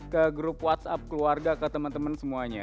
ke grup whatsapp keluarga ke teman teman semuanya